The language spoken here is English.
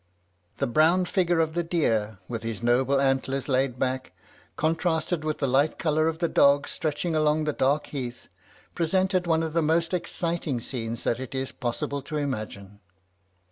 "The brown figure of the deer, with his noble antlers laid back, contrasted with the light colour of the dogs stretching along the dark heath, presented one of the most exciting scenes that it is possible to imagine.